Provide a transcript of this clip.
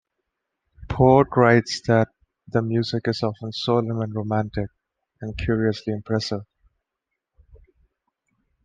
Porte writes that the music is often solemn and romantic, and curiously impressive.